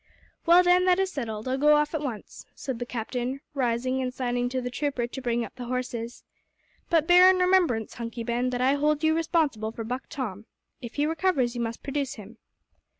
"Well, then, that is settled. I'll go off at once," said the captain, rising and signing to the trooper to bring up the horses. "But bear in remembrance, Hunky Ben, that I hold you responsible for Buck Tom. If he recovers you must produce him."